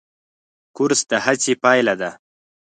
کورس د هڅې پایله ده.